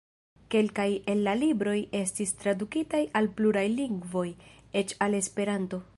Kelkaj el la libroj estis tradukitaj al pluraj lingvoj, eĉ al Esperanto.